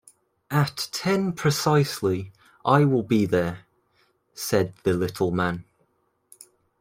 ‘At ten precisely, I will be there,’ said the little man.